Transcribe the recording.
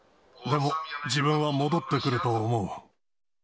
でも自分は戻ってくると思う。